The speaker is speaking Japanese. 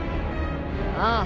ああ。